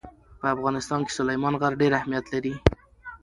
په افغانستان کې سلیمان غر ډېر اهمیت لري.